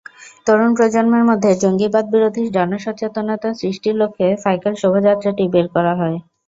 তরুণ প্রজন্মের মধ্যে জঙ্গিবাদবিরোধী জনসচেতনতা সৃষ্টির লক্ষ্যে সাইকেল শোভাযাত্রাটি বের করা হয়।